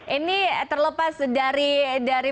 ini terlepas dari